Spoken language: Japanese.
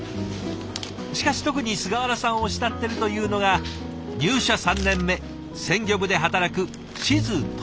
しかし特に菅原さんを慕ってるというのが入社３年目鮮魚部で働く静富夫さん。